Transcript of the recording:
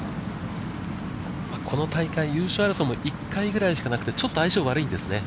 この大会、優勝争いも１回ぐらいしかなくて、ちょっと相性が悪いんですよね。